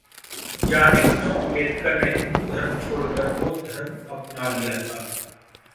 जानें, क्यों अंबेडकर ने हिंदू धर्म छोड़कर बौद्ध धर्म अपना लिया था